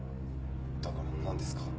だからなんですか？